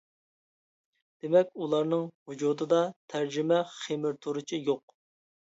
دېمەك، ئۇلارنىڭ ۋۇجۇدىدا «تەرجىمە خېمىرتۇرۇچى» يوق.